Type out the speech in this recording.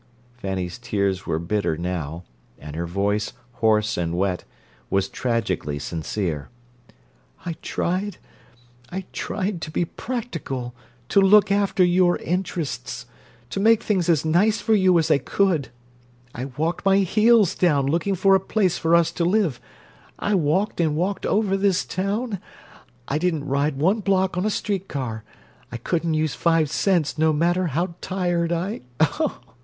Fanny's tears were bitter now, and her voice, hoarse and wet, was tragically sincere. "I tried—I tried to be practical—to look after your interests—to make things as nice for you as I could—I walked my heels down looking for a place for us to live—I walked and walked over this town—I didn't ride one block on a street car—I wouldn't use five cents no matter how tired I—Oh!"